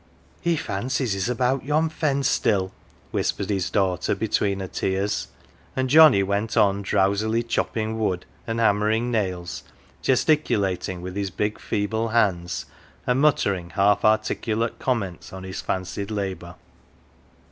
" He fancies he's about yon fence still," whispered his daughter, between her tears. And Johnnie went on drowsily chopping wood, and hammering nails, gesticu lating with his big feeble hands, and muttering half articulate comments on his fancied labour.